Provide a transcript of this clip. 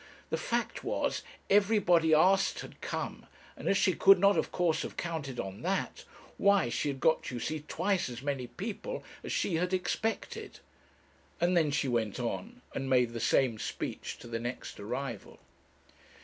The fact was, everybody asked had come, and as she could not, of course, have counted on that, why, she had got, you see, twice as many people as she had expected.' And then she went on, and made the same speech to the next arrival.